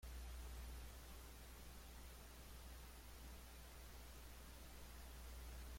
Según el narrador, ellos son la pareja ideal.